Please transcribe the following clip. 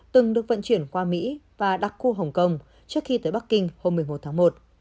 từng được vận chuyển qua mỹ và đặc khu hồng kông trước khi tới bắc kinh hôm một mươi một tháng một